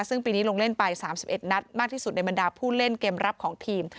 ซึ่งปีนี้ลงเล่นไป๓๑นัดมากที่สุดในบรรดาผู้เล่นเกมรับของทีม